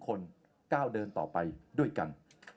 คนก้าวเดินต่อไปด้วยกัน